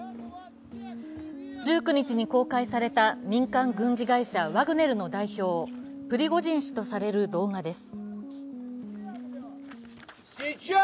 １９日に公開された民間軍事会社ワグネルの代表、プリゴジン氏とされる動画です。